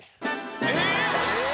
えっ！